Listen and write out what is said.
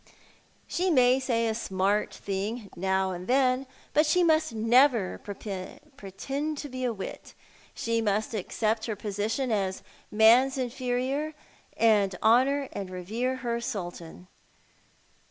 She may say a smart thing now and then, but she must never pretend to be a wit. She must accept her position as man's inferior, and honour and revere lier sultan.